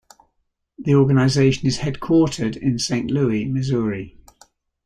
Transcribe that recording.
The organization is headquartered in Saint Louis, Missouri.